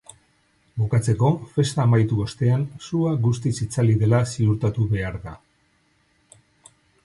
Bukatzeko, festa amaitu ostean, sua guztiz itzali dela ziurtatu behar da.